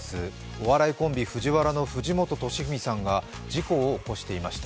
お笑いコンビ、ＦＵＪＩＷＡＲＡの藤本敏史さんが事故を起こしていました。